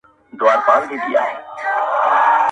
د هیڅ شي یې کمی نه وو په بدن کي٫